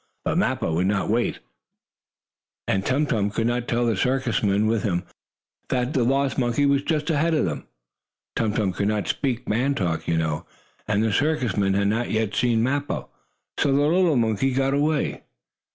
But Mappo would not wait, and Tum Tum could not tell the circus men with him that the lost monkey was just ahead of them. Tum Tum could not speak man talk, you know, and the circus men had not yet seen Mappo. So the little monkey got away.